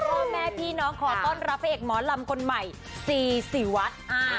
พ่อแม่พี่น้องขอต้อนรับพระเอกหมอลำคนใหม่จีสีวัด